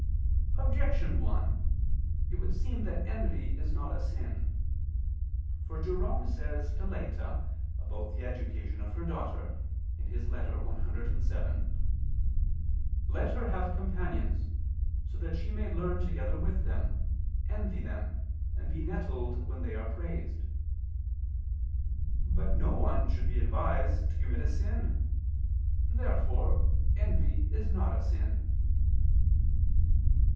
Objection 1: It would seem that envy is not a sin. For Jerome says to Laeta about the education of her daughter (Ep. cvii): "Let her have companions, so that she may learn together with them, envy them, and be nettled when they are praised." But no one should be advised to commit a sin. Therefore envy is not a sin.